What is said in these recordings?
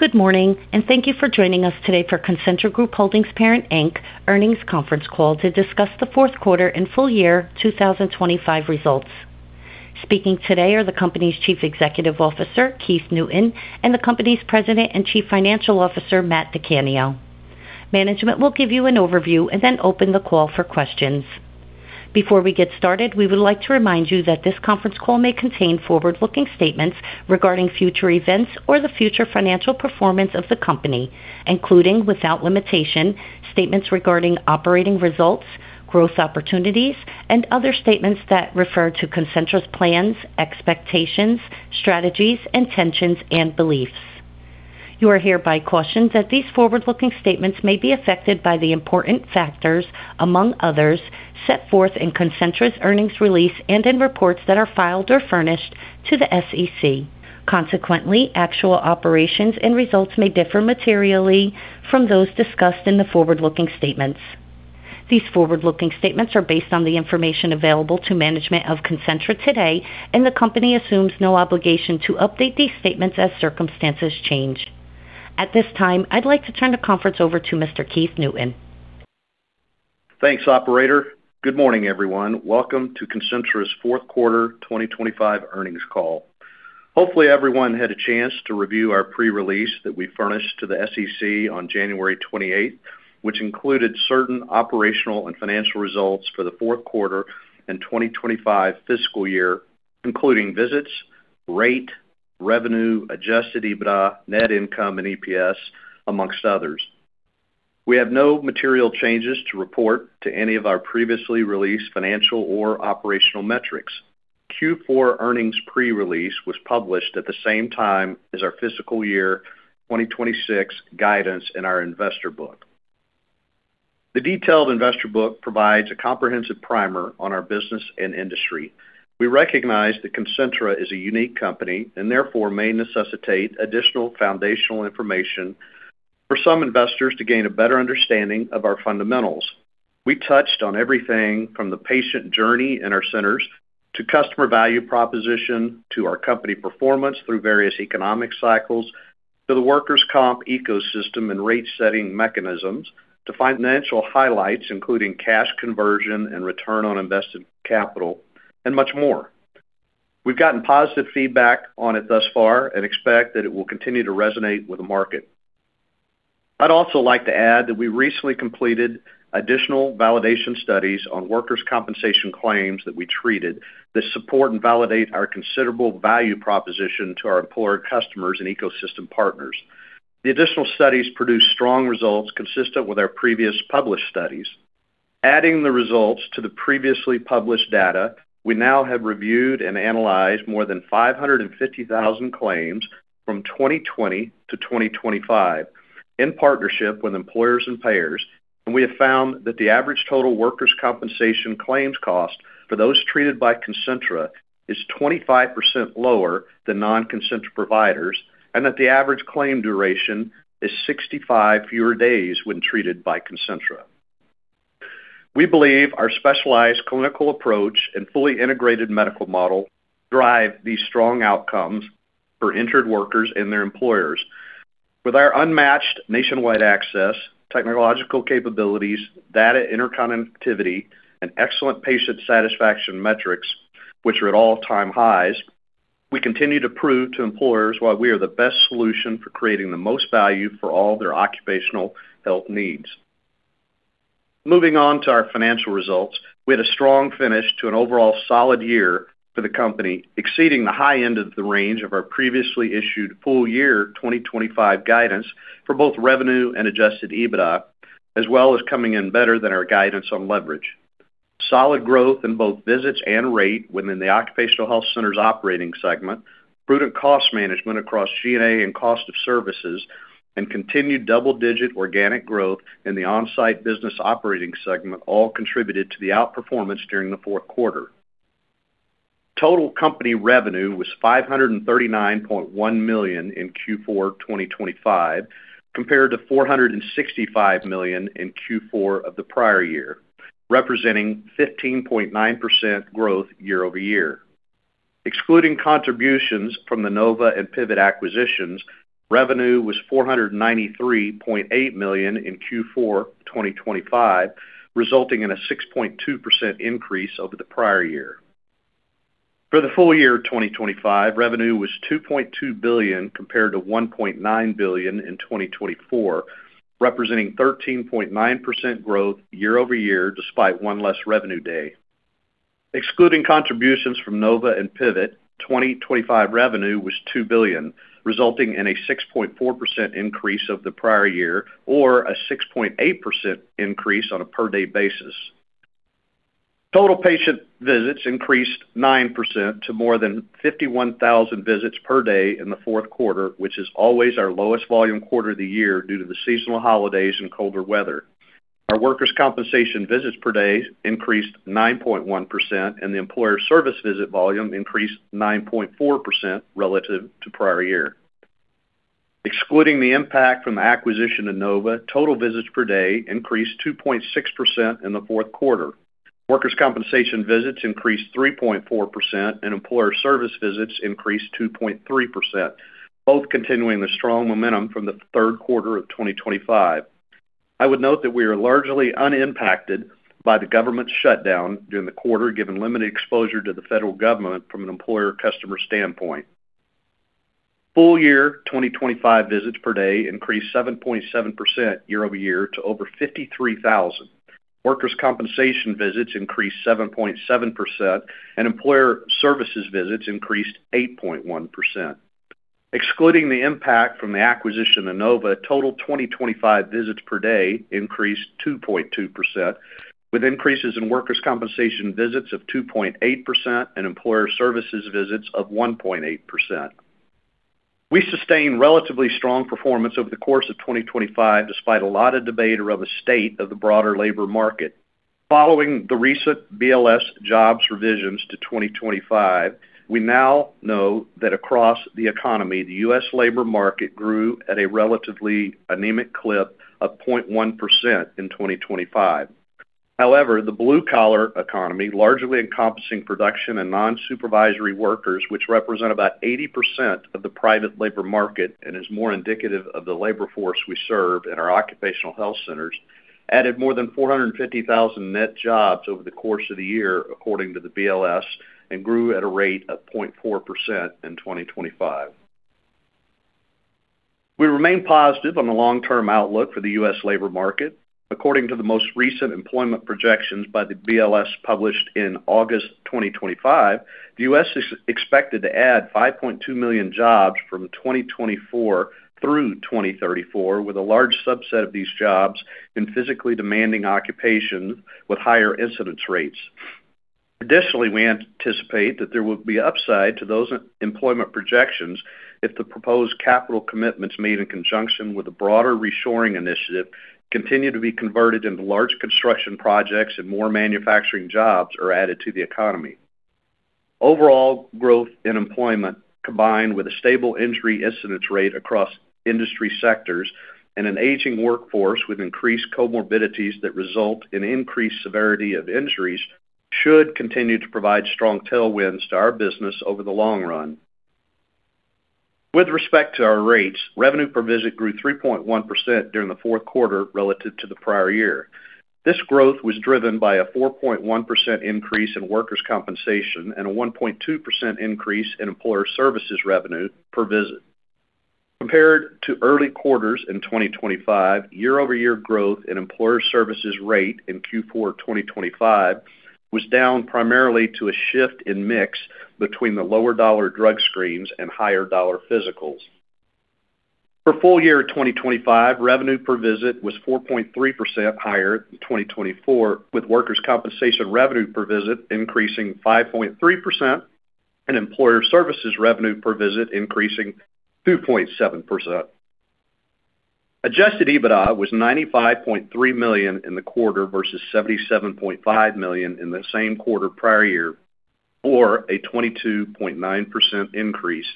Good morning, thank you for joining us today for Concentra Group Holdings Parent Inc. earnings conference call to discuss the fourth quarter and full year 2025 results. Speaking today are the company's Chief Executive Officer, Keith Newton, and the company's President and Chief Financial Officer, Matthew DiCanio. Management will give you an overview and then open the call for questions. Before we get started, we would like to remind you that this conference call may contain forward-looking statements regarding future events or the future financial performance of the company, including, without limitation, statements regarding operating results, growth opportunities, and other statements that refer to Concentra's plans, expectations, strategies, intentions, and beliefs. You are hereby cautioned that these forward-looking statements may be affected by the important factors, among others, set forth in Concentra's earnings release and in reports that are filed or furnished to the SEC. Consequently, actual operations and results may differ materially from those discussed in the forward-looking statements. These forward-looking statements are based on the information available to management of Concentra today, and the company assumes no obligation to update these statements as circumstances change. At this time, I'd like to turn the conference over to Mr. Keith Newton. Thanks, operator. Good morning, everyone. Welcome to Concentra's fourth quarter 2025 earnings call. Hopefully, everyone had a chance to review our pre-release that we furnished to the SEC on January 28, which included certain operational and financial results for the fourth quarter and 2025 fiscal year, including visits, rate, revenue, Adjusted EBITDA, net income, and EPS, amongst others. We have no material changes to report to any of our previously released financial or operational metrics. Q4 earnings pre-release was published at the same time as our fiscal year 2026 guidance in our investor book. The detailed investor book provides a comprehensive primer on our business and industry. We recognize that Concentra is a unique company and therefore may necessitate additional foundational information for some investors to gain a better understanding of our fundamentals. We touched on everything from the patient journey in our centers, to customer value proposition, to our company performance through various economic cycles, to the workers' comp ecosystem and rate-setting mechanisms, to financial highlights, including cash conversion and return on invested capital, and much more. We've gotten positive feedback on it thus far and expect that it will continue to resonate with the market. I'd also like to add that we recently completed additional validation studies on workers' compensation claims that we treated that support and validate our considerable value proposition to our employer customers and ecosystem partners. The additional studies produced strong results consistent with our previous published studies. Adding the results to the previously published data, we now have reviewed and analyzed more than 550,000 claims from 2020 to 2025 in partnership with employers and payers, and we have found that the average total workers' compensation claims cost for those treated by Concentra is 25% lower than non-Concentra providers, and that the average claim duration is 65 fewer days when treated by Concentra. We believe our specialized clinical approach and fully integrated medical model drive these strong outcomes for injured workers and their employers. With our unmatched nationwide access, technological capabilities, data interconnectivity, and excellent patient satisfaction metrics, which are at all-time highs, we continue to prove to employers why we are the best solution for creating the most value for all their occupational health needs. Moving on to our financial results. We had a strong finish to an overall solid year for the company, exceeding the high end of the range of our previously issued full year 2025 guidance for both revenue and Adjusted EBITDA, as well as coming in better than our guidance on leverage. Solid growth in both visits and rate within the occupational health centers operating segment, prudent cost management across G&A and cost of services, and continued double-digit organic growth in the onsite business operating segment all contributed to the outperformance during the fourth quarter. Total company revenue was $539.1 million in Q4 2025, compared to $465 million in Q4 of the prior year, representing 15.9% growth year-over-year. Excluding contributions from the Nova and Pivot acquisitions, revenue was $493.8 million in Q4 2025, resulting in a 6.2% increase over the prior year. For the full year 2025, revenue was $2.2 billion, compared to $1.9 billion in 2024, representing 13.9% growth year-over-year, despite one less revenue day. Excluding contributions from Nova and Pivot, 2025 revenue was $2 billion, resulting in a 6.4% increase over the prior year or a 6.8% increase on a per-day basis. Total patient visits increased 9% to more than 51,000 visits per day in the fourth quarter, which is always our lowest volume quarter of the year due to the seasonal holidays and colder weather. Our workers' compensation visits per day increased 9.1%, and the employer service visit volume increased 9.4% relative to prior year. Excluding the impact from the acquisition of Nova, total visits per day increased 2.6% in the fourth quarter. Workers' compensation visits increased 3.4%, and employer service visits increased 2.3%, both continuing the strong momentum from the third quarter of 2025. I would note that we are largely unimpacted by the government shutdown during the quarter, given limited exposure to the federal government from an employer customer standpoint. Full year 2025 visits per day increased 7.7% year-over-year to over 53,000. Workers' compensation visits increased 7.7%, and employer services visits increased 8.1%. Excluding the impact from the acquisition of Nova, total 2025 visits per day increased 2.2%, with increases in workers' compensation visits of 2.8% and employer services visits of 1.8%. We sustained relatively strong performance over the course of 2025, despite a lot of debate around the state of the broader labor market. Following the recent BLS jobs revisions to 2025, we now know that across the economy, the US labor market grew at a relatively anemic clip of 0.1% in 2025. However, the blue-collar economy, largely encompassing production and nonsupervisory workers, which represent about 80% of the private labor market and is more indicative of the labor force we serve in our occupational health centers, added more than 450,000 net jobs over the course of the year, according to the BLS, and grew at a rate of 0.4% in 2025. We remain positive on the long-term outlook for the US labor market. According to the most recent employment projections by the BLS, published in August 2025, the US is expected to add 5.2 million jobs from 2024 through 2034, with a large subset of these jobs in physically demanding occupations with higher incidence rates. We anticipate that there will be upside to those employment projections if the proposed capital commitments made in conjunction with a broader reshoring initiative continue to be converted into large construction projects and more manufacturing jobs are added to the economy. Growth in employment, combined with a stable injury incidence rate across industry sectors and an aging workforce with increased comorbidities that result in increased severity of injuries, should continue to provide strong tailwinds to our business over the long run. With respect to our rates, revenue per visit grew 3.1% during the fourth quarter relative to the prior year. This growth was driven by a 4.1% increase in workers' compensation and a 1.2% increase in employer services revenue per visit. Compared to early quarters in 2025, year-over-year growth in employer services rate in Q4 2025 was down primarily to a shift in mix between the lower dollar drug screens and higher dollar physicals. For full year 2025, revenue per visit was 4.3% higher than 2024, with workers' compensation revenue per visit increasing 5.3% and employer services revenue per visit increasing 2.7%. Adjusted EBITDA was $95.3 million in the quarter versus $77.5 million in the same quarter prior year, or a 22.9% increase.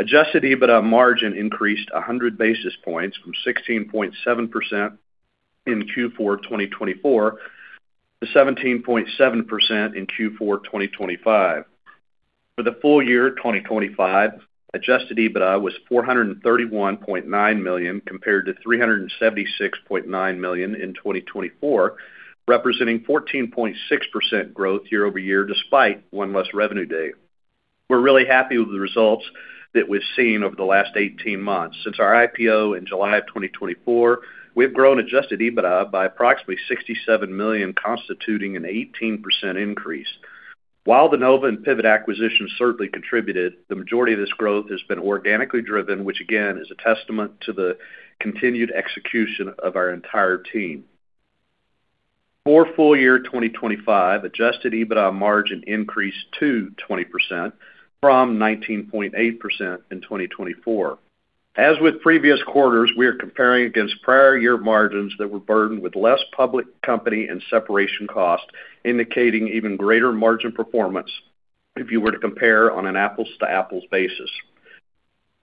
Adjusted EBITDA margin increased 100 basis points from 16.7% in Q4 2024 to 17.7% in Q4 2025. For the full year 2025, Adjusted EBITDA was $431.9 million, compared to $376.9 million in 2024, representing 14.6% growth year-over-year, despite one less revenue day. We're really happy with the results that we've seen over the last 18 months. Since our IPO in July of 2024, we've grown Adjusted EBITDA by approximately $67 million, constituting an 18% increase. While the Nova and Pivot acquisitions certainly contributed, the majority of this growth has been organically driven, which, again, is a testament to the continued execution of our entire team. For full year 2025, Adjusted EBITDA margin increased to 20% from 19.8% in 2024. As with previous quarters, we are comparing against prior year margins that were burdened with less public company and separation costs, indicating even greater margin performance if you were to compare on an apples-to-apples basis.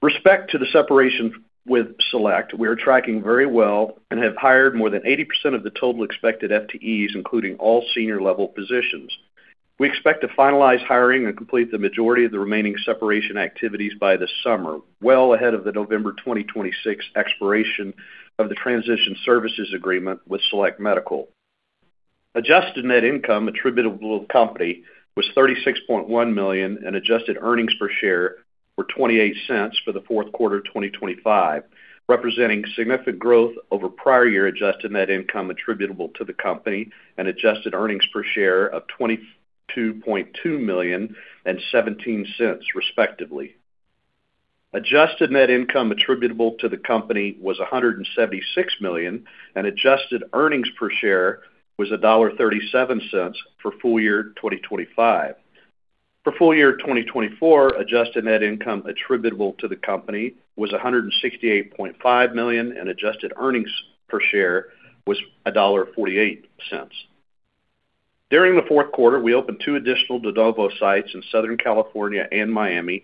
Respect to the separation with Select, we are tracking very well and have hired more than 80% of the total expected FTEs, including all senior-level positions. We expect to finalize hiring and complete the majority of the remaining separation activities by the summer, well ahead of the November 2026 expiration of the transition services agreement with Select Medical. Adjusted net income attributable to company was $36.1 million, and adjusted earnings per share were $0.28 for the fourth quarter of 2025, representing significant growth over prior year adjusted net income attributable to the company and adjusted earnings per share of $22.2 million and $0.17, respectively. Adjusted Net Income attributable to the company was $176 million. Adjusted earnings per share was $1.37 for full year 2025. For full year 2024, Adjusted Net Income attributable to the company was $168.5 million. Adjusted earnings per share was $1.48. During the fourth quarter, we opened two additional de novo sites in Southern California and Miami,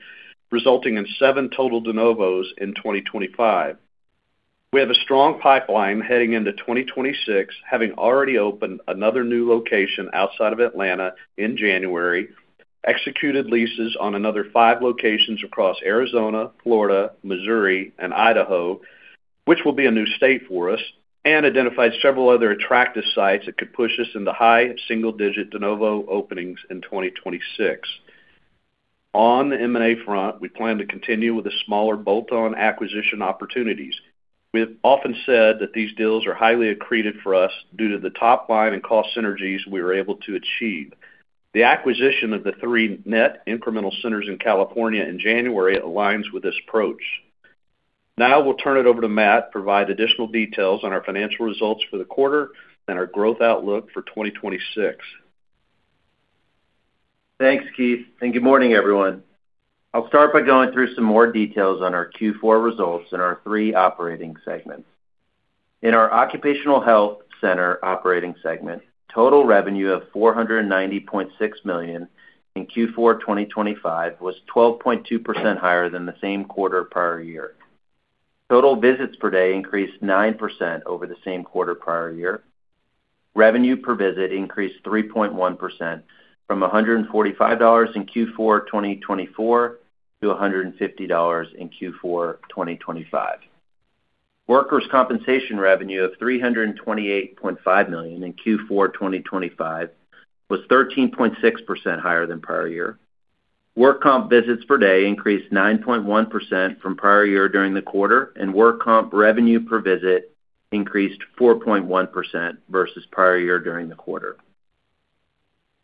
resulting in seven total de novos in 2025. We have a strong pipeline heading into 2026, having already opened another new location outside of Atlanta in January, executed leases on another five locations across Arizona, Florida, Missouri, and Idaho, which will be a new state for us, and identified several other attractive sites that could push us into high single-digit de novo openings in 2026. On the M&A front, we plan to continue with the smaller bolt-on acquisition opportunities. We have often said that these deals are highly accreted for us due to the top line and cost synergies we were able to achieve. The acquisition of the three net incremental centers in California in January aligns with this approach. I will turn it over to Matt, provide additional details on our financial results for the quarter and our growth outlook for 2026. Thanks, Keith, and good morning, everyone. I'll start by going through some more details on our Q4 results in our three operating segments. In our occupational health center operating segment, total revenue of $490.6 million in Q4 2025 was 12.2% higher than the same quarter prior year. Total visits per day increased 9% over the same quarter prior year. Revenue per visit increased 3.1% from $145 in Q4 2024 to $150 in Q4 2025. Workers' compensation revenue of $328.5 million in Q4 2025 was 13.6% higher than prior year. Work comp visits per day increased 9.1% from prior year during the quarter, and work comp revenue per visit increased 4.1% versus prior year during the quarter.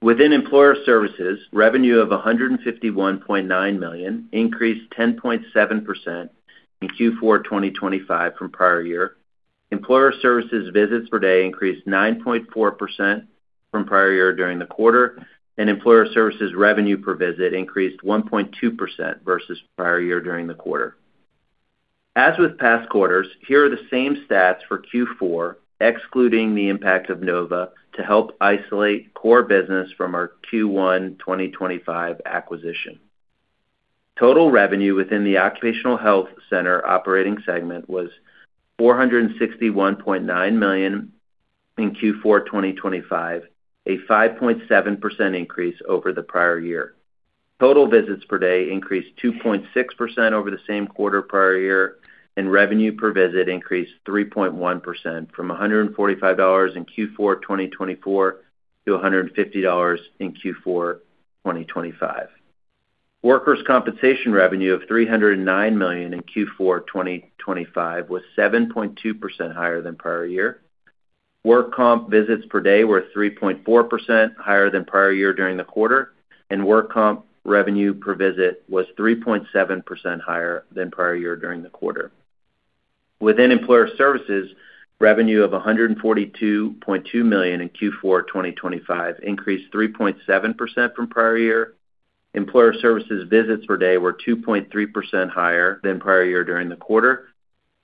Within employer services, revenue of $151.9 million increased 10.7% in Q4 2025 from prior year. Employer services visits per day increased 9.4% from prior year during the quarter, and employer services revenue per visit increased 1.2% versus prior year during the quarter. As with past quarters, here are the same stats for Q4, excluding the impact of Nova, to help isolate core business from our Q1 2025 acquisition. Total revenue within the occupational health center operating segment was $461.9 million in Q4 2025, a 5.7% increase over the prior year. Total visits per day increased 2.6% over the same quarter prior year, and revenue per visit increased 3.1% from $145 in Q4 2024 to $150 in Q4 2025. Workers' compensation revenue of $309 million in Q4 2025 was 7.2% higher than prior year. Work comp visits per day were 3.4% higher than prior year during the quarter, and work comp revenue per visit was 3.7% higher than prior year during the quarter. Within employer services, revenue of $142.2 million in Q4 2025 increased 3.7% from prior year. Employer services visits per day were 2.3% higher than prior year during the quarter,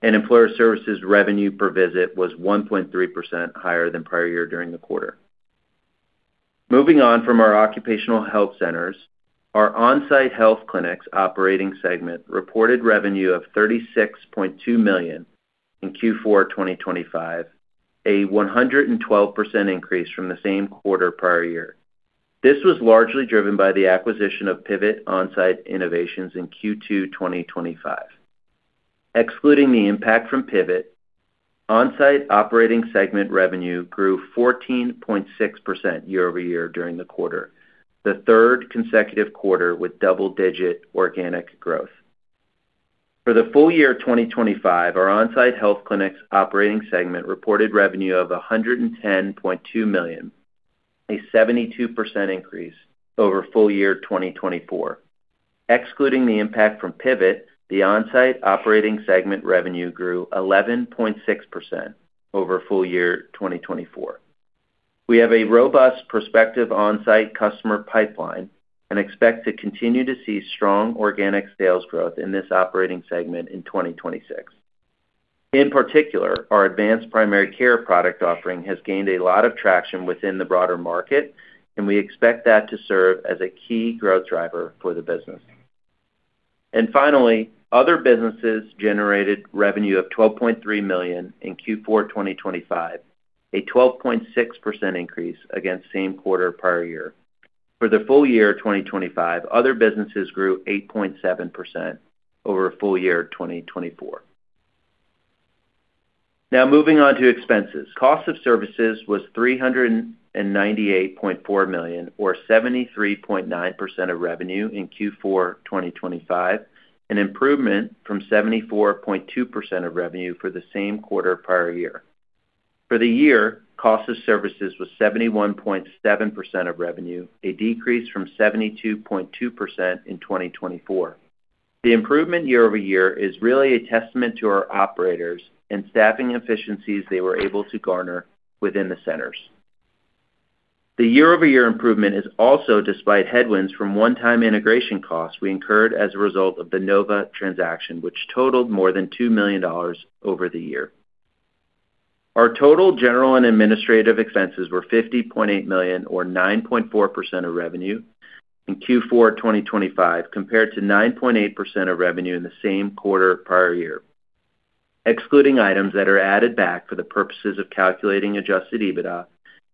and employer services revenue per visit was 1.3% higher than prior year during the quarter. Moving on from our occupational health centers, our on-site health clinics operating segment reported revenue of $36.2 million in Q4 2025, a 112% increase from the same quarter prior year. This was largely driven by the acquisition of Pivot Onsite Innovations in Q2 2025. Excluding the impact from Pivot, on-site operating segment revenue grew 14.6% year-over-year during the quarter, the third consecutive quarter with double-digit organic growth. For the full year 2025, our on-site health clinics operating segment reported revenue of $110.2 million, a 72% increase over full year 2024. Excluding the impact from Pivot, the on-site operating segment revenue grew 11.6% over full year 2024. We have a robust prospective on-site customer pipeline and expect to continue to see strong organic sales growth in this operating segment in 2026. In particular, our Advanced Primary Care product offering has gained a lot of traction within the broader market, we expect that to serve as a key growth driver for the business. Finally, other businesses generated revenue of $12.3 million in Q4 2025, a 12.6% increase against same quarter prior year. For the full year 2025, other businesses grew 8.7% over full year 2024. Moving on to expenses. Cost of services was $398.4 million, or 73.9% of revenue in Q4 2025, an improvement from 74.2% of revenue for the same quarter prior year. For the year, cost of services was 71.7% of revenue, a decrease from 72.2% in 2024. The improvement year-over-year is really a testament to our operators and staffing efficiencies they were able to garner within the centers. The year-over-year improvement is also despite headwinds from one-time integration costs we incurred as a result of the Nova transaction, which totaled more than $2 million over the year. Our total general and administrative expenses were $50.8 million or 9.4% of revenue in Q4 2025, compared to 9.8% of revenue in the same quarter prior year. Excluding items that are added back for the purposes of calculating Adjusted EBITDA,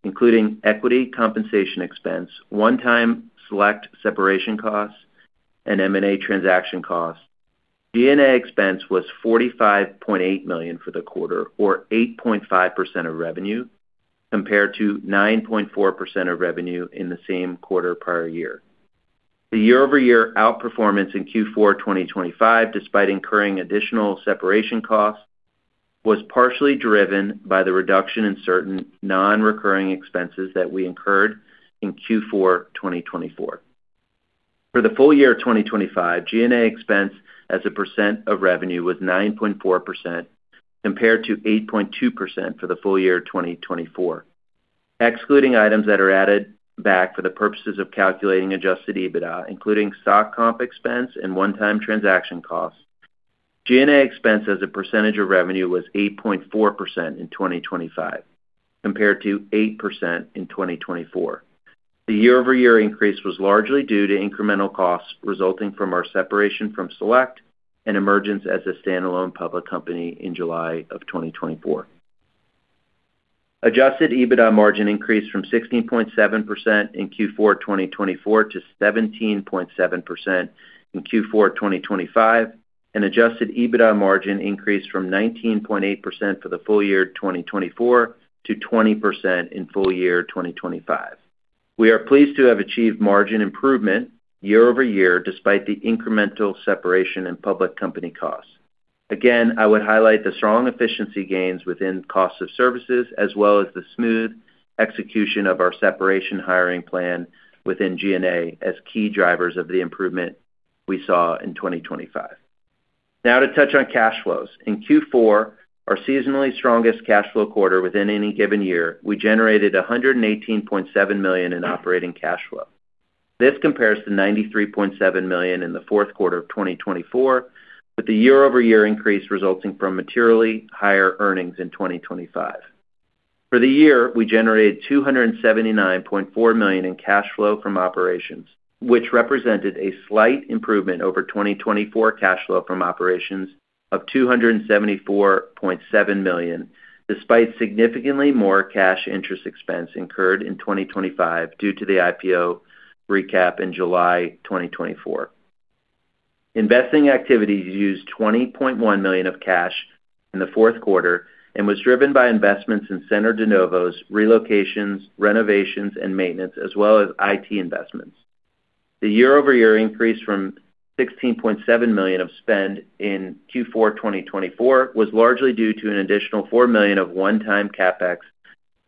including equity, compensation expense, one-time select separation costs, and M&A transaction costs, G&A expense was $45.8 million for the quarter, or 8.5% of revenue, compared to 9.4% of revenue in the same quarter prior-year. The year-over-year outperformance in Q4 2025, despite incurring additional separation costs, was partially driven by the reduction in certain non-recurring expenses that we incurred in Q4 2024. For the full year of 2025, G&A expense as a % of revenue was 9.4%, compared to 8.2% for the full year of 2024. Excluding items that are added back for the purposes of calculating Adjusted EBITDA, including stock comp expense and one-time transaction costs, G&A expense as a percentage of revenue was 8.4% in 2025, compared to 8% in 2024. The year-over-year increase was largely due to incremental costs resulting from our separation from Select and emergence as a standalone public company in July of 2024. Adjusted EBITDA margin increased from 16.7% in Q4 2024 to 17.7% in Q4 2025, and Adjusted EBITDA margin increased from 19.8% for the full year 2024 to 20% in full year 2025. We are pleased to have achieved margin improvement year-over-year, despite the incremental separation in public company costs. Again, I would highlight the strong efficiency gains within cost of services, as well as the smooth execution of our separation hiring plan within G&A as key drivers of the improvement we saw in 2025. Now to touch on cash flows. In Q4, our seasonally strongest cash flow quarter within any given year, we generated $118.7 million in operating cash flow. This compares to $93.7 million in the fourth quarter of 2024, with the year-over-year increase resulting from materially higher earnings in 2025. For the year, we generated $279.4 million in cash flow from operations, which represented a slight improvement over 2024 cash flow from operations of $274.7 million, despite significantly more cash interest expense incurred in 2025 due to the IPO recap in July 2024. Investing activities used $20.1 million of cash in the fourth quarter and was driven by investments in Center de novos, relocations, renovations, and maintenance, as well as IT investments. The year-over-year increase from $16.7 million of spend in Q4 2024 was largely due to an additional $4 million of one-time CapEx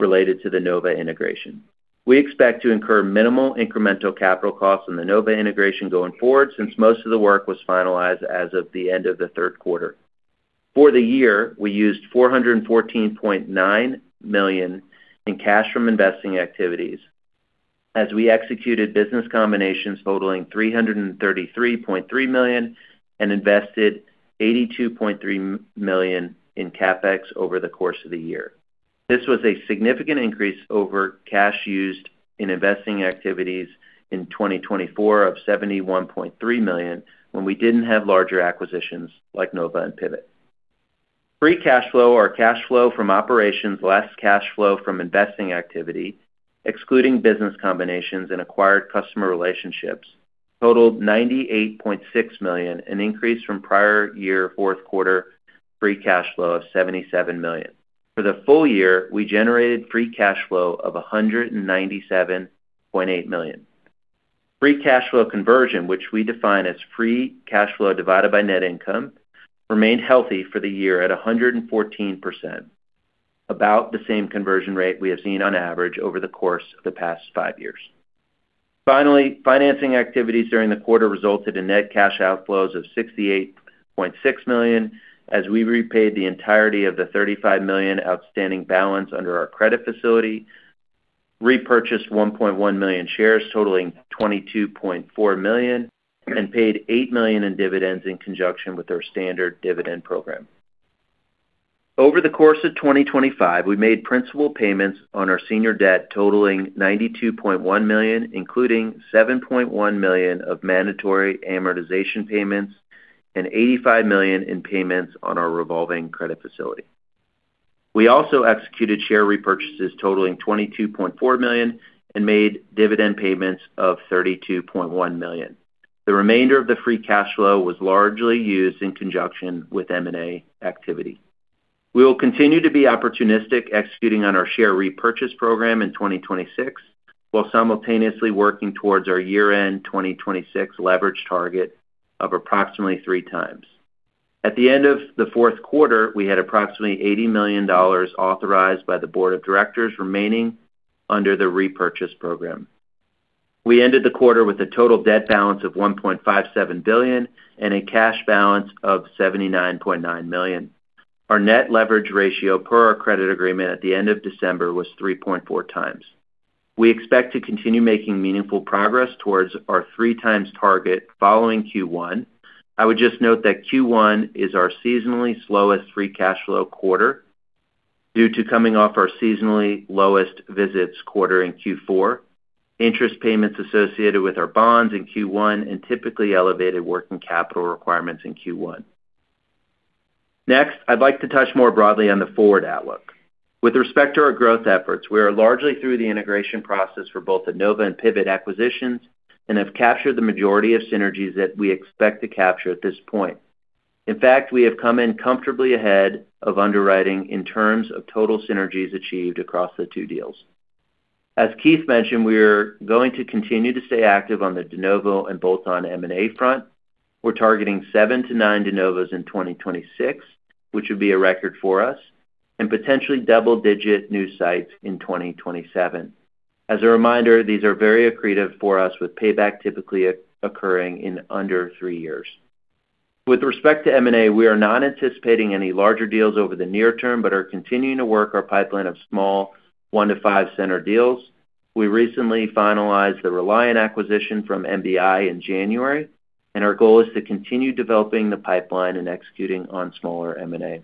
related to the Nova integration. We expect to incur minimal incremental capital costs in the Nova integration going forward, since most of the work was finalized as of the end of the third quarter. For the year, we used $414.9 million in cash from investing activities as we executed business combinations totaling $333.3 million and invested $82.3 million in CapEx over the course of the year. This was a significant increase over cash used in investing activities in 2024 of $71.3 million, when we didn't have larger acquisitions like Nova and Pivot. Free Cash Flow or cash flow from operations, less cash flow from investing activity, excluding business combinations and acquired customer relationships, totaled $98.6 million, an increase from prior year fourth quarter Free Cash Flow of $77 million. For the full year, we generated Free Cash Flow of $197.8 million. Free Cash Flow conversion, which we define as Free Cash Flow divided by net income, remained healthy for the year at 114%, about the same conversion rate we have seen on average over the course of the past five years. Finally, financing activities during the quarter resulted in net cash outflows of $68.6 million, as we repaid the entirety of the $35 million outstanding balance under our credit facility, repurchased 1.1 million shares totaling $22.4 million, and paid $8 million in dividends in conjunction with our standard dividend program. Over the course of 2025, we made principal payments on our senior debt totaling $92.1 million, including $7.1 million of mandatory amortization payments and $85 million in payments on our revolving credit facility. We also executed share repurchases totaling $22.4 million and made dividend payments of $32.1 million. The remainder of the free cash flow was largely used in conjunction with M&A activity. We will continue to be opportunistic, executing on our share repurchase program in 2026, while simultaneously working towards our year-end 2026 leverage target of approximately 3 times. At the end of the fourth quarter, we had approximately $80 million authorized by the board of directors remaining under the repurchase program. We ended the quarter with a total debt balance of $1.57 billion and a cash balance of $79.9 million. Our net leverage ratio per our credit agreement at the end of December was 3.4 times. We expect to continue making meaningful progress towards our 3 times target following Q1. I would just note that Q1 is our seasonally slowest Free Cash Flow quarter due to coming off our seasonally lowest visits quarter in Q4, interest payments associated with our bonds in Q1, and typically elevated working capital requirements in Q1. Next, I'd like to touch more broadly on the forward outlook. With respect to our growth efforts, we are largely through the integration process for both the Nova and Pivot acquisitions and have captured the majority of synergies that we expect to capture at this point. In fact, we have come in comfortably ahead of underwriting in terms of total synergies achieved across the two deals. As Keith mentioned, we are going to continue to stay active on the de novo and bolt-on M&A front. We're targeting 7 to 9 de novos in 2026, which would be a record for us, and potentially double-digit new sites in 2027. As a reminder, these are very accretive for us, with payback typically occurring in under three years. With respect to M&A, we are not anticipating any larger deals over the near term, but are continuing to work our pipeline of small one to five center deals. We recently finalized the Reliant acquisition from MBI in January. Our goal is to continue developing the pipeline and executing on smaller M&A.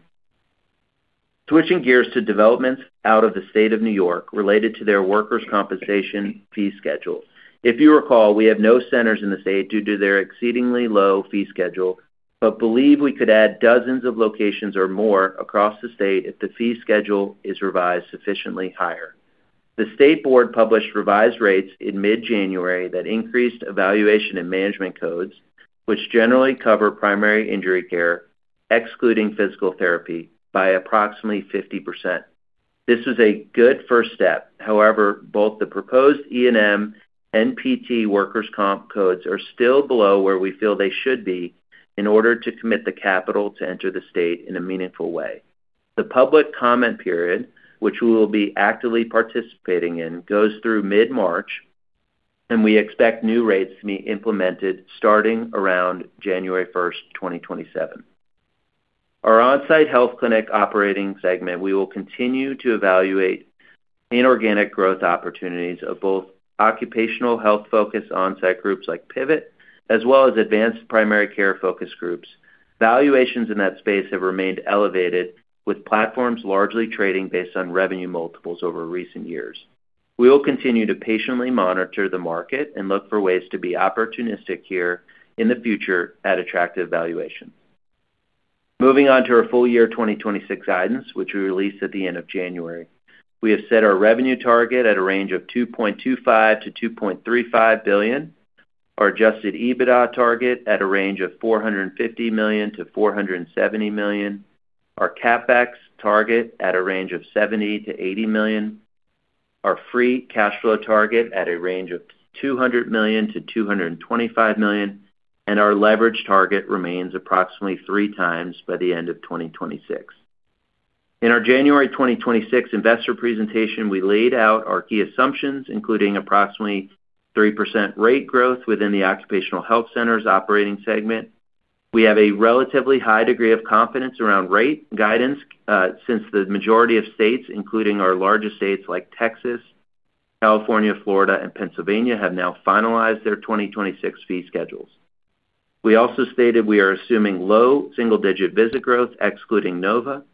Switching gears to developments out of the state of New York related to their workers' compensation fee schedule. If you recall, we have no centers in the state due to their exceedingly low fee schedule, but believe we could add dozens of locations or more across the state if the fee schedule is revised sufficiently higher. The state board published revised rates in mid-January that increased evaluation and management codes, which generally cover primary injury care, excluding physical therapy, by approximately 50%. This is a good first step. Both the proposed E&M and PT workers' comp codes are still below where we feel they should be in order to commit the capital to enter the state in a meaningful way. The public comment period, which we will be actively participating in, goes through mid-March, and we expect new rates to be implemented starting around January 1, 2027. Our onsite health clinic operating segment, we will continue to evaluate inorganic growth opportunities of both occupational health-focused onsite groups like Pivot, as well as Advanced Primary Care focus groups. Valuations in that space have remained elevated, with platforms largely trading based on revenue multiples over recent years. We will continue to patiently monitor the market and look for ways to be opportunistic here in the future at attractive valuations. Moving on to our full year 2026 guidance, which we released at the end of January. We have set our revenue target at a range of $2.25 billion-$2.35 billion, our Adjusted EBITDA target at a range of $450 million-$470 million, our CapEx target at a range of $70 million-$80 million, our Free Cash Flow target at a range of $200 million-$225 million, and our leverage target remains approximately 3 times by the end of 2026. In our January 2026 investor presentation, we laid out our key assumptions, including approximately 3% rate growth within the occupational health centers operating segment. We have a relatively high degree of confidence around rate guidance, since the majority of states, including our largest states like Texas, California, Florida, and Pennsylvania, have now finalized their 2026 fee schedules. We also stated we are assuming low single-digit visit growth, excluding Nova.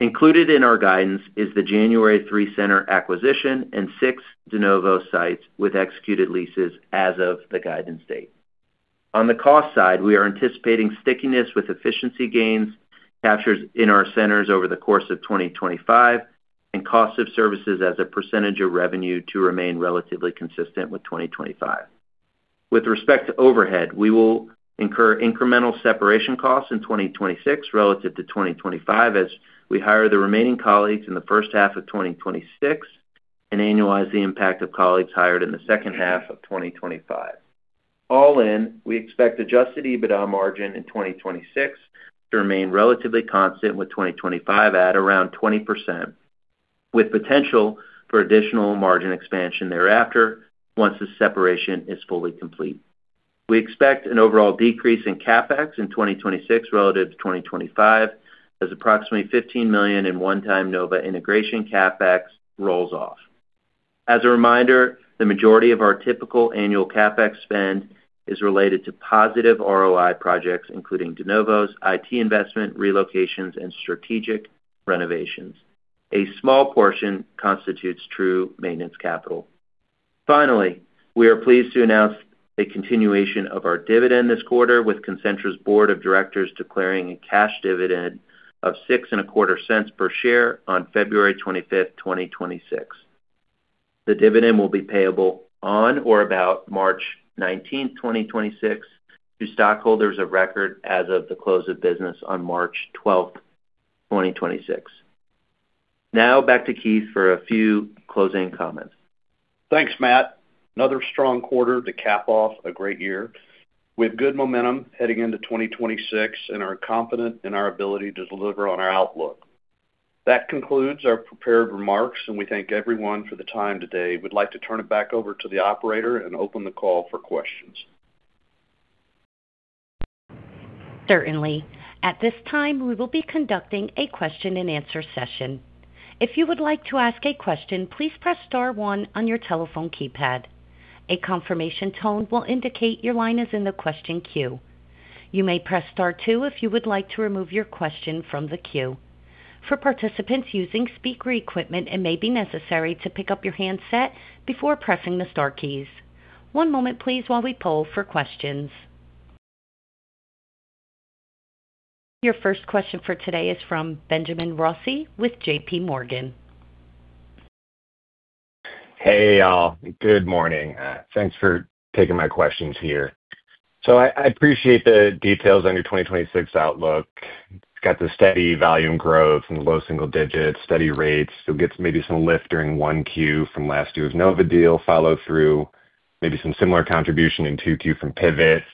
Included in our guidance is the January 3-center acquisition and 6 de novo sites with executed leases as of the guidance date. On the cost side, we are anticipating stickiness with efficiency gains captured in our centers over the course of 2025, and cost of services as a % of revenue to remain relatively consistent with 2025. With respect to overhead, we will incur incremental separation costs in 2026 relative to 2025, as we hire the remaining colleagues in the first half of 2026 and annualize the impact of colleagues hired in the second half of 2025. All in, we expect Adjusted EBITDA margin in 2026 to remain relatively constant, with 2025 at around 20%, with potential for additional margin expansion thereafter once the separation is fully complete. We expect an overall decrease in CapEx in 2026 relative to 2025, as approximately $15 million in one-time Nova integration CapEx rolls off. As a reminder, the majority of our typical annual CapEx spend is related to positive ROI projects, including de novos, IT investment, relocations, and strategic renovations. A small portion constitutes true maintenance capital. Finally, we are pleased to announce a continuation of our dividend this quarter, with Concentra's board of directors declaring a cash dividend of six and a quarter cents per share on February 25, 2026. The dividend will be payable on or about March 19, 2026, to stockholders of record as of the close of business on March 12, 2026. Now back to Keith for a few closing comments. Thanks, Matt. Another strong quarter to cap off a great year. We have good momentum heading into 2026 and are confident in our ability to deliver on our outlook. That concludes our prepared remarks. We thank everyone for the time today. We'd like to turn it back over to the operator and open the call for questions. Certainly. At this time, we will be conducting a question-and-answer session. If you would like to ask a question, please press star one on your telephone keypad. A confirmation tone will indicate your line is in the question queue. You may press star two if you would like to remove your question from the queue. For participants using speaker equipment, it may be necessary to pick up your handset before pressing the star keys. One moment please, while we poll for questions. Your first question for today is from Benjamin Rossi with J.P. Morgan. Hey, y'all. Good morning. Thanks for taking my questions here. I appreciate the details on your 2026 outlook. Got the steady volume growth in the low single digits, steady rates. You'll get maybe some lift during 1Q from last year's Nova deal follow through, maybe some similar contribution in 2Q from Pivot.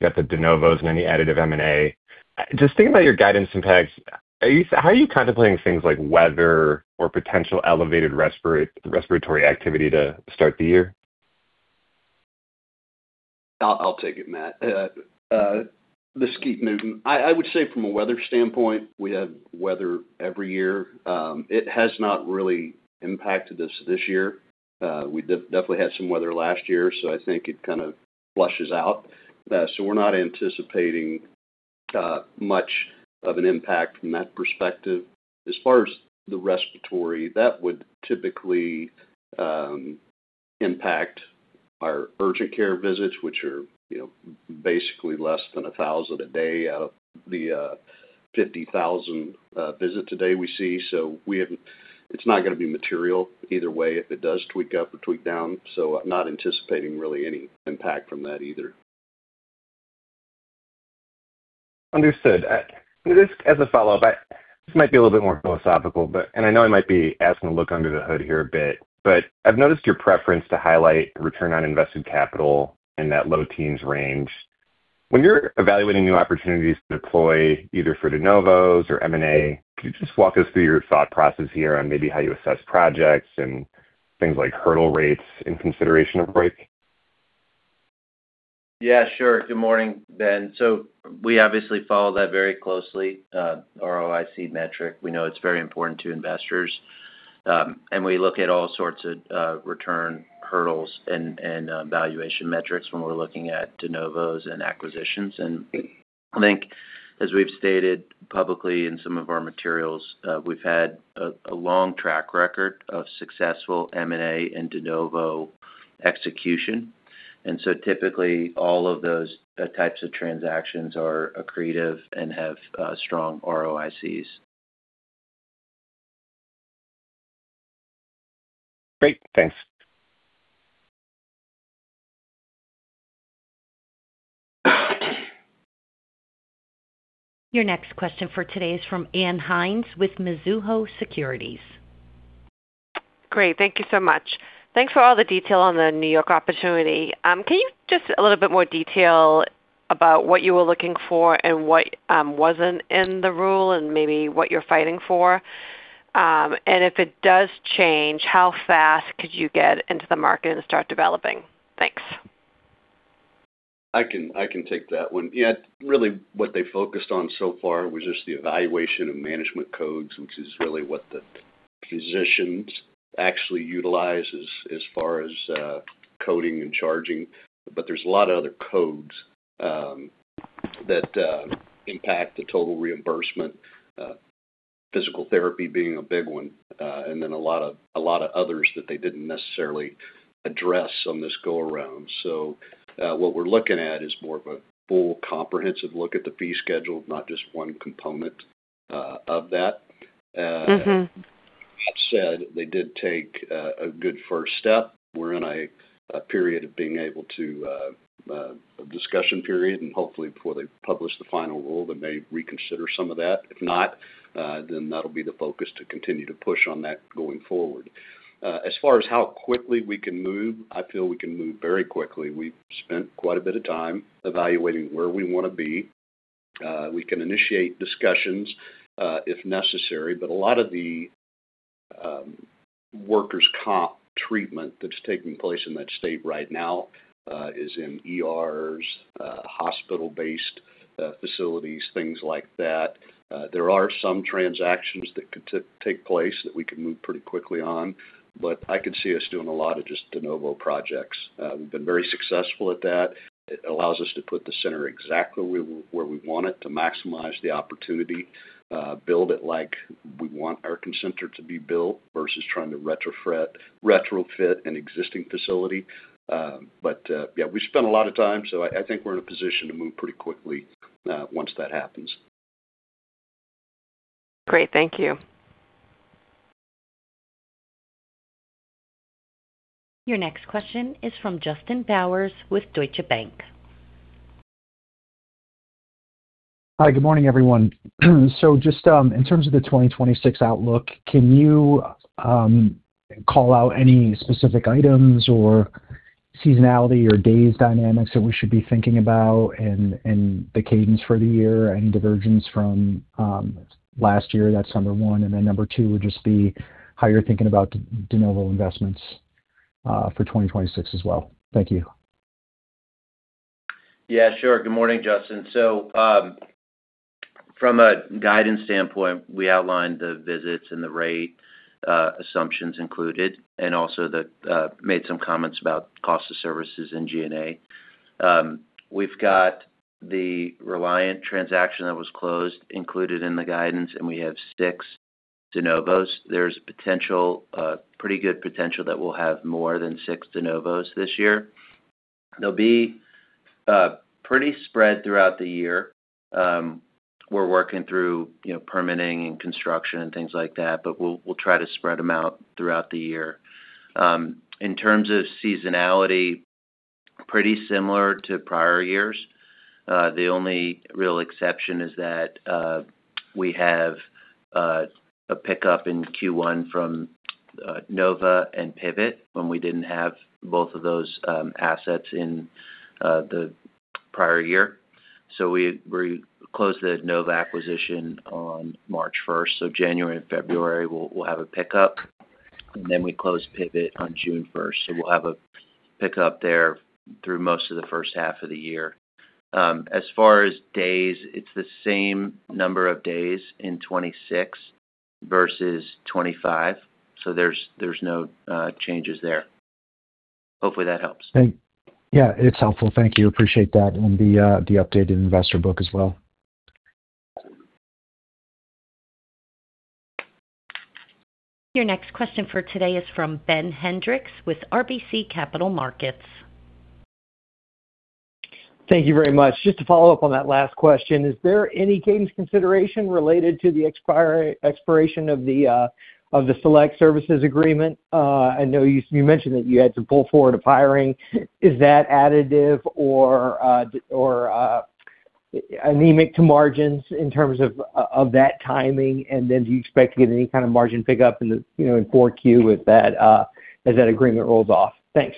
You got the de novos and any additive M&A. Just thinking about your guidance impacts, how are you contemplating things like weather or potential elevated respiratory activity to start the year? I'll take it, Matt. This is Keith Newton. I would say from a weather standpoint, we have weather every year. It has not really impacted us this year. We definitely had some weather last year, so I think it kind of flushes out. We're not anticipating much of an impact from that perspective. As far as the respiratory, that would typically impact our urgent care visits, which are, you know, basically less than 1,000 a day out of the 50,000 visits a day we see. It's not going to be material either way if it does tweak up or tweak down, I'm not anticipating really any impact from that either. Understood. Just as a follow-up, this might be a little bit more philosophical. I know I might be asking to look under the hood here a bit, but I've noticed your preference to highlight Return on Invested Capital in that low teens range. When you're evaluating new opportunities to deploy, either for de novos or M&A, could you just walk us through your thought process here on maybe how you assess projects and things like hurdle rates in consideration of WACC? Yeah, sure. Good morning, Ben. We obviously follow that very closely, ROIC metric. We know it's very important to investors, and we look at all sorts of return hurdles and valuation metrics when we're looking at de novos and acquisitions. I think as we've stated publicly in some of our materials, we've had a long track record of successful M&A and de novo execution. Typically all of those types of transactions are accretive and have strong ROICs. Great. Thanks. Your next question for today is from Ann Hynes, with Mizuho Securities. Great. Thank you so much. Thanks for all the detail on the New York opportunity. Can you just a little bit more detail about what you were looking for and what wasn't in the rule and maybe what you're fighting for? If it does change, how fast could you get into the market and start developing? Thanks. I can take that one. Yeah, really, what they focused on so far was just the evaluation of management codes, which is really what the physicians actually utilize as far as coding and charging. There's a lot of other codes that impact the total reimbursement, physical therapy being a big one, and then a lot of others that they didn't necessarily address on this go around. What we're looking at is more of a full, comprehensive look at the fee schedule, not just one component of that. Mm-hmm. That said, they did take a good first step. We're in a period of being able to a discussion period. Hopefully, before they publish the final rule, they may reconsider some of that. If not, then that'll be the focus to continue to push on that going forward. As far as how quickly we can move, I feel we can move very quickly. We've spent quite a bit of time evaluating where we want to be. We can initiate discussions if necessary. A lot of the workers' comp treatment that's taking place in that state right now is in ERs, hospital-based facilities, things like that. There are some transactions that could take place that we can move pretty quickly on. I could see us doing a lot of just de novo projects. We've been very successful at that. It allows us to put the center exactly where we, where we want it, to maximize the opportunity, build it like we want our center to be built, versus trying to retrofit an existing facility. Yeah, we spent a lot of time, I think we're in a position to move pretty quickly, once that happens. Great. Thank you. Your next question is from Justin Bowers, with Deutsche Bank. Hi, good morning, everyone. Just in terms of the 2026 outlook, can you call out any specific items or seasonality or days dynamics that we should be thinking about and the cadence for the year and divergence from last year? That's number 1, and then number 2 would just be how you're thinking about de novo investments. for 2026 as well. Thank you. Yeah, sure. Good morning, Justin. From a guidance standpoint, we outlined the visits and the rate assumptions included, and also made some comments about cost of services in G&A. We've got the Reliant transaction that was closed included in the guidance, and we have six de novos. There's a potential, pretty good potential that we'll have more than six de novos this year. They'll be pretty spread throughout the year. We're working through, you know, permitting and construction and things like that, but we'll try to spread them out throughout the year. In terms of seasonality, pretty similar to prior years. The only real exception is that we have a pickup in Q1 from Nova and Pivot, when we didn't have both of those assets in the prior year. We closed the Nova acquisition on March 1st. January and February, we'll have a pickup, and then we close Pivot on June 1st, we'll have a pickup there through most of the first half of the year. As far as days, it's the same number of days in 26 versus 25, there's no changes there. Hopefully, that helps. Yeah, it's helpful. Thank you. Appreciate that, and the updated investor book as well. Your next question for today is from Ben Hendrix with RBC Capital Markets. Thank you very much. Just to follow up on that last question, is there any cadence consideration related to the expiration of the Select services agreement? I know you mentioned that you had to pull forward a hiring. Is that additive or anemic to margins in terms of that timing? Do you expect to get any kind of margin pickup in the, you know, in 4Q with that as that agreement rolls off? Thanks.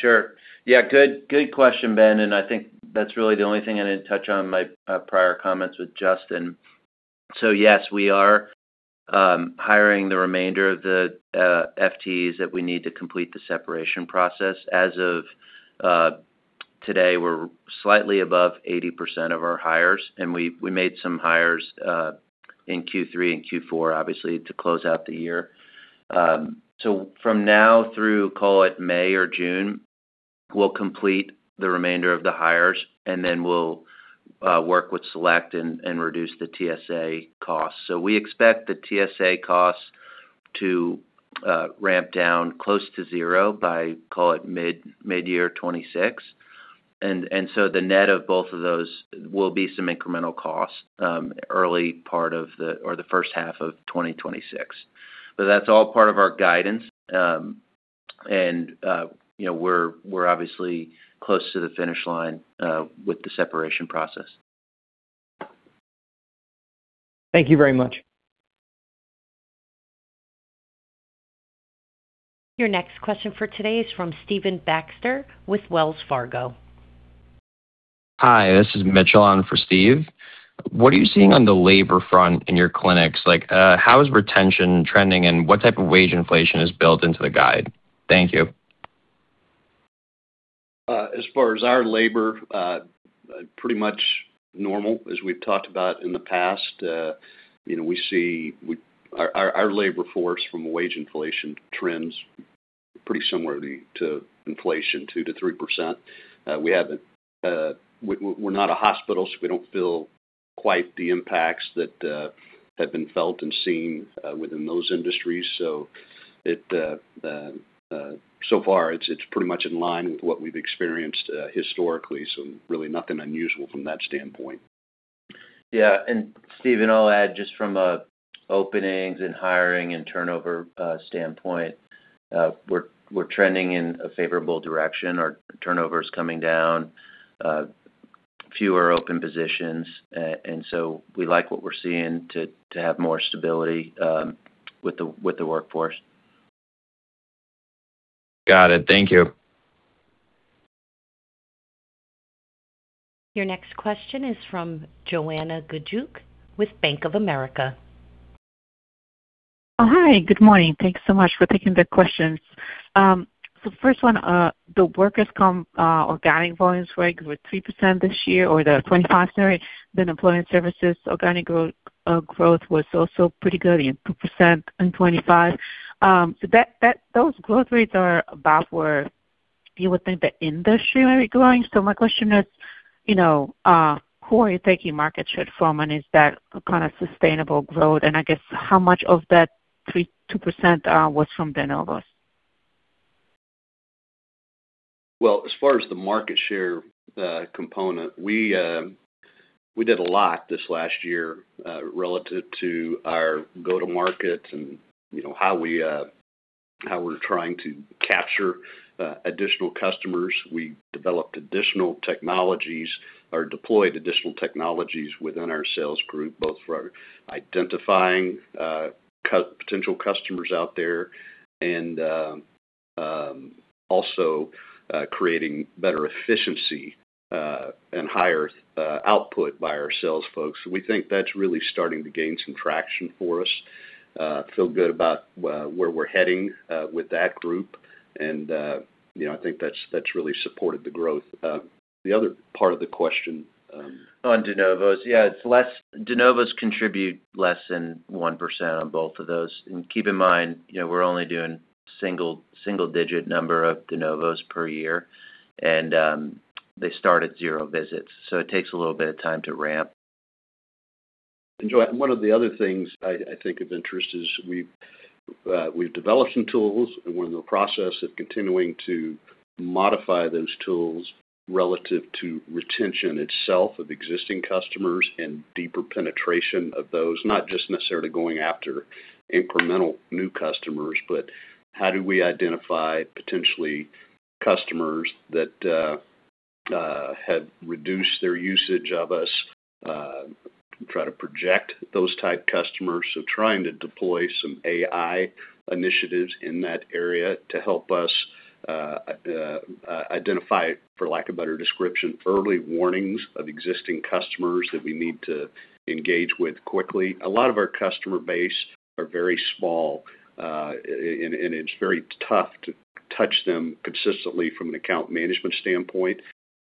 Sure. Good question, Ben, I think that's really the only thing I didn't touch on my prior comments with Justin. Yes, we are hiring the remainder of the FTEs that we need to complete the separation process. As of today, we're slightly above 80% of our hires, we made some hires in Q3 and Q4, obviously, to close out the year. From now through, call it May or June, we'll complete the remainder of the hires, then we'll work with Select and reduce the TSA costs. We expect the TSA costs to ramp down close to zero by, call it mid-year 2026. The net of both of those will be some incremental costs, early part of or the first half of 2026.That's all part of our guidance. And, you know, we're obviously close to the finish line with the separation process. Thank you very much. Your next question for today is from Stephen Baxter with Wells Fargo. Hi, this is Mitchell on for Steve. What are you seeing on the labor front in your clinics? Like, how is retention trending, and what type of wage inflation is built into the guide? Thank you. As far as our labor, pretty much normal as we've talked about in the past. You know, we see, Our labor force from a wage inflation trends pretty similarly to inflation, 2%-3%. We haven't, we're not a hospital, so we don't feel quite the impacts that have been felt and seen within those industries. It's so far it's pretty much in line with what we've experienced historically, so really nothing unusual from that standpoint. Stephen, I'll add just from a openings and hiring and turnover standpoint, we're trending in a favorable direction. Our turnover is coming down, fewer open positions, and so we like what we're seeing to have more stability with the workforce. Got it. Thank you. Your next question is from Joanna Gajuk with Bank of America. Hi, good morning. Thank you so much for taking the questions. First one, the workers' comp organic volumes were 3% this year, or the 25%. Employment services organic growth was also pretty good in 2% in 2025. Those growth rates are about where you would think the industry may be growing. My question is, you know, who are you taking market share from, and is that kind of sustainable growth? I guess how much of that 3%, 2% was from de novos? Well, as far as the market share, component, we did a lot this last year, relative to our go-to-market and, you know, how we, how we're trying to capture additional customers. We developed additional technologies or deployed additional technologies within our sales group, both for identifying potential customers out there and also creating better efficiency and higher output by our sales folks. We think that's really starting to gain some traction for us. Feel good about where we're heading, with that group, and, you know, I think that's really supported the growth. The other part of the question. On de novos. Yeah, it's less, de novos contribute less than 1% on both of those. Keep in mind, you know, we're only doing single-digit number of de novos per year, and they start at 0 visits, so it takes a little bit of time to ramp. One of the other things I think of interest is we've developed some tools, and we're in the process of continuing to modify those tools relative to retention itself of existing customers and deeper penetration of those, not just necessarily going after incremental new customers, but how do we identify potentially customers that have reduced their usage of us, try to project those type customers. Trying to deploy some AI initiatives in that area to help us identify, for lack of a better description, early warnings of existing customers that we need to engage with quickly. A lot of our customer base are very small, and it's very tough to touch them consistently from an account management standpoint.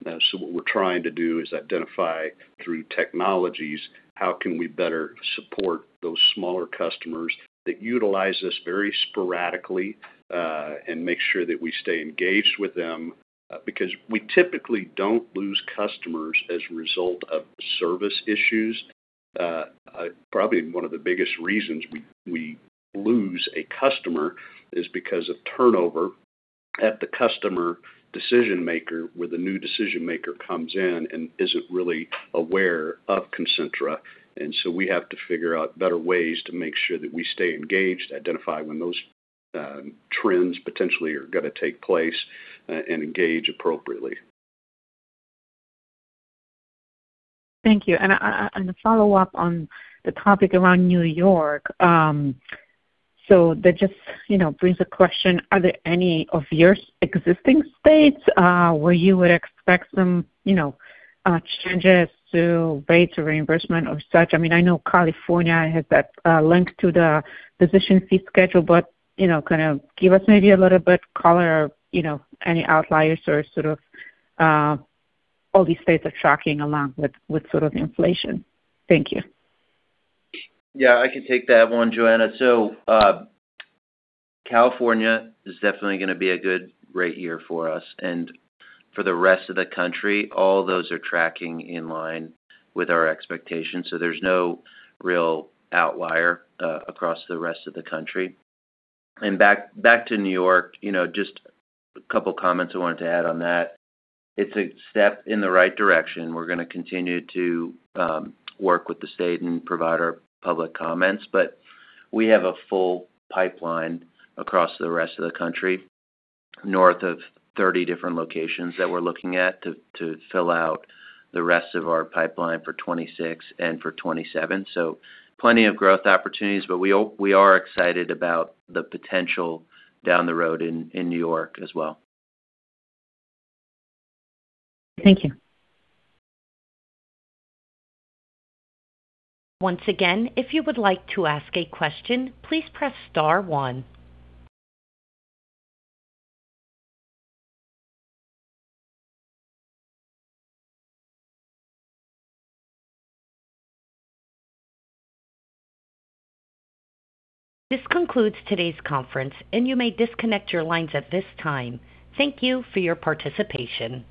What we're trying to do is identify through technologies, how can we better support those smaller customers that utilize us very sporadically, and make sure that we stay engaged with them? We typically don't lose customers as a result of service issues. Probably one of the biggest reasons we lose a customer is because of turnover at the customer decision maker, where the new decision maker comes in and isn't really aware of Concentra. We have to figure out better ways to make sure that we stay engaged, identify when those trends potentially are gonna take place, and engage appropriately. Thank you. To follow up on the topic around New York, so that just, you know, brings a question: Are there any of your existing states, where you would expect some, you know, changes to rates or reimbursement or such? I mean, I know California has that link to the physician fee schedule, but, you know, kind of give us maybe a little bit color, you know, any outliers or sort of, all these states are tracking along with sort of inflation. Thank you. Yeah, I can take that one, Joanna. California is definitely gonna be a good rate year for us and for the rest of the country, all those are tracking in line with our expectations, so there's no real outlier across the rest of the country. Back to New York, you know, just a couple comments I wanted to add on that. It's a step in the right direction. We're gonna continue to work with the state and provide our public comments, but we have a full pipeline across the rest of the country, north of 30 different locations that we're looking at to fill out the rest of our pipeline for 2026 and for 2027. Plenty of growth opportunities, but we are excited about the potential down the road in New York as well. Thank you. Once again, if you would like to ask a question, please press star one. This concludes today's conference. You may disconnect your lines at this time. Thank you for your participation.